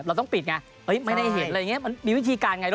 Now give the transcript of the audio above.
เราต้องปิดไงไม่ได้เห็นอะไรอย่างนี้มันมีวิธีการไง